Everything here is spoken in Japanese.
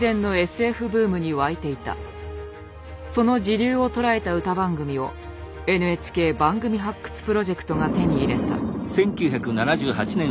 その時流を捉えた歌番組をＮＨＫ番組発掘プロジェクトが手に入れた。